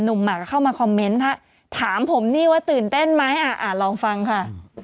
หมากก็เข้ามาคอมเมนต์ถ้าถามผมนี่ว่าตื่นเต้นไหมลองฟังค่ะ